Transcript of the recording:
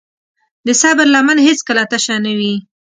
د صبر لمن هیڅکله تشه نه وي.